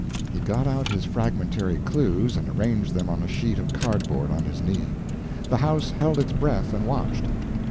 He got out his fragmentary clues and arranged them on a sheet of cardboard on his knee. The house held its breath and watched.